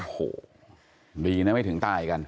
โอ้โหดีนะไม่ถึงตายกัน